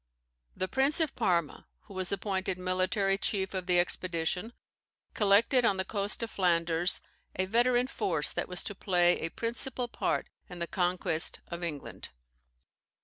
The Prince of Parma, who was appointed military chief of the expedition, collected on the coast of Flanders a veteran force that was to play a principal part in the conquest of England.